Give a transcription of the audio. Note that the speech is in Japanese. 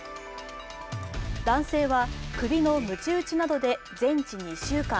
男性は、首のむち打ちなどで全治２週間。